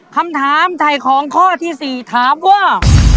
คำถามถ่ายของข้อที่๔ถามว่า